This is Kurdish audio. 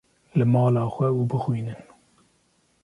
li mala xwe û bixwînin.